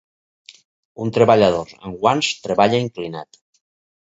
Un treballador amb guants treballa inclinat